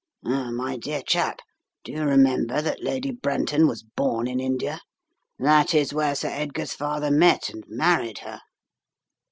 "My dear chap, do you remember that Lady Brenton was born in India? That is where Sir Edgar's father met and married her."